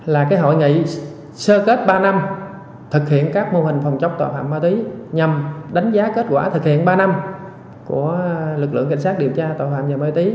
là cái hội nghị sơ kết ba năm thực hiện các mô hình phòng chống tội phạm ma túy nhằm đánh giá kết quả thực hiện ba năm của lực lượng cảnh sát điều tra tội phạm về ma túy